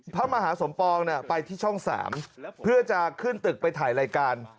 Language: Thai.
พระมหาสมปองไปที่ช่อง๓เพื่อจะขึ้นตึกไปถ่ายรายการ